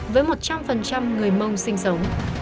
với một trăm linh người mông sinh sống